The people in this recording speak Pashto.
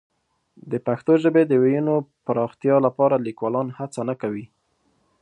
د پښتو ژبې د وییونو پراختیا لپاره لیکوالان هڅه نه کوي.